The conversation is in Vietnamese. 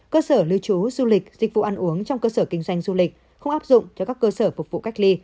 cơ sở lưu trú du lịch dịch vụ ăn uống trong cơ sở kinh doanh du lịch không áp dụng cho các cơ sở phục vụ cách ly